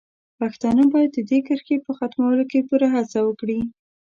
پښتانه باید د دې کرښې په ختمولو کې پوره هڅه وکړي.